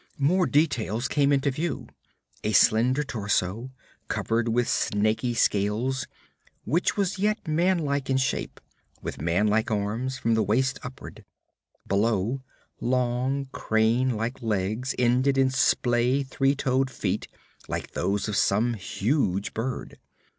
More details came into view: a slender torso, covered with snaky scales, which was yet man like in shape, with man like arms, from the waist upward; below, long crane like legs ended in splay, three toed feet like those of some huge bird.